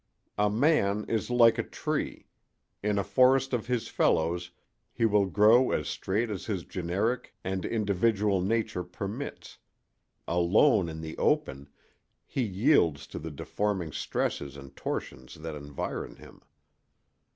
A man is like a tree: in a forest of his fellows he will grow as straight as his generic and individual nature permits; alone in the open, he yields to the deforming stresses and tortions that environ him.